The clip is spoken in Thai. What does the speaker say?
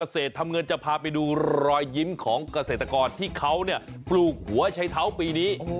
เกษตรทำเงินจะพาไปดูรอยยิ้มของเกษตรกรที่เขาปลูกหัวใช้เท้าปีนี้